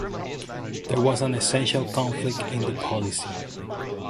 There was an essential conflict in the policy.